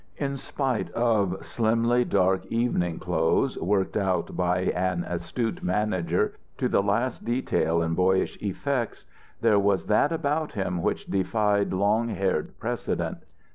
In spite of slimly dark evening clothes worked out by an astute manager to the last detail in boyish effects, there was that about him which defied long haired precedent.